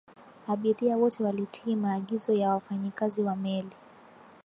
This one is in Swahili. abiria wote walitii maagizo ya wafanyikazi wa meli